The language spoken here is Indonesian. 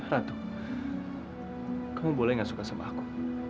ratu kamu boleh gak suka sama aku